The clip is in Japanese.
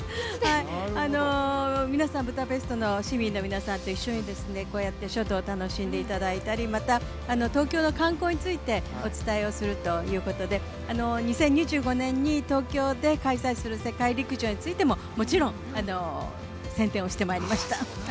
皆さん、ブダペストの市民の皆さんと一緒にこうやって書道を楽しんでいただいたりまた東京の観光についてお伝えをするということで、２０２５年に東京で開催する世界陸上についてももちろん喧伝してまいりました。